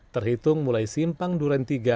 terhitung mulai simpang duren tiga